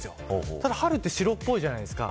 ただ春は白っぽいじゃないですか。